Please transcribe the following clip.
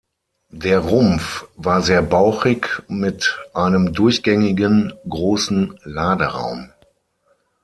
Der Rumpf war sehr bauchig mit einem durchgängigen großen Laderaum.